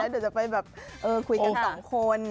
แล้วเดี๋ยวจะไปแบบเออคุยกันสองคน